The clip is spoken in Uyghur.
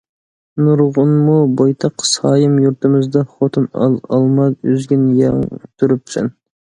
نۇرغۇنغۇ بويتاق «سايىم» يۇرتىمىزدا، خوتۇن ئال، ئالما ئۈزگىن يەڭ تۈرۈپ سەن!